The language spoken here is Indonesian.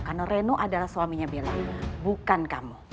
karena reno adalah suaminya bella bukan kamu